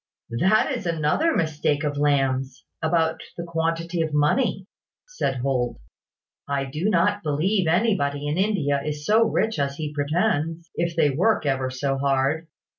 "That is another mistake of Lamb's, about the quantity of money," said Holt. "I do not believe anybody in India is so rich as he pretends, if they work ever so hard.